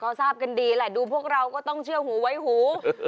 พอทราบกันดีแหละดูพวกเราก็ต้องเชื่อหูไว้หู